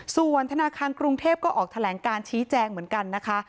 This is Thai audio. ส่วนธนาคารกรุงเทพก็ออกแถลงการชี้แจงเหมือนกันนะคะ